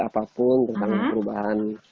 apapun tentang perubahan